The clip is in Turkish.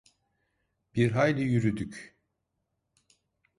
Bir hayli yürüdük.